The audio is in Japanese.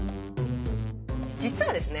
実はですね